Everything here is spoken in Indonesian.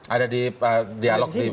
ada di dialog di